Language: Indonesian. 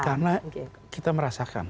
karena kita merasakan